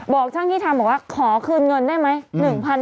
ช่างที่ทำบอกว่าขอคืนเงินได้ไหม